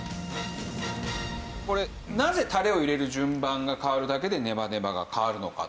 これなぜタレを入れる順番が変わるだけでネバネバが変わるのか。